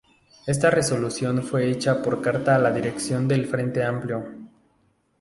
Esta resolución fue hecha por carta a la Dirección del Frente Amplio.